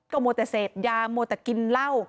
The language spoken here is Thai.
ก็มวดแต่เสพยามวดแต่กินเล่า